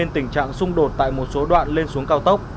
tình trạng xung đột tại một số đoạn lên xuống cao tốc